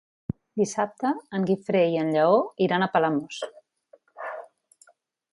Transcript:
Dissabte en Guifré i en Lleó iran a Palamós.